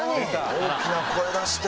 大きな声出して。